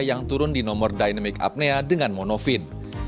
yang turun di nomor dynamic apnea dengan mono fin